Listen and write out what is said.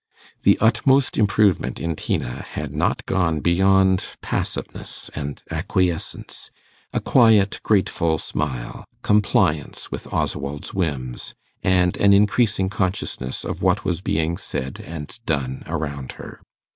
The utmost improvement in Tina had not gone beyond passiveness and acquiescence a quiet grateful smile, compliance with Oswald's whims, and an increasing consciousness of what was being said and done around her.